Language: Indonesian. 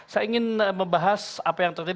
saya ingin membahas apa yang terjadi